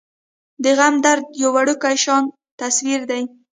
د غم درد يو وړوکے شان تصوير دے ۔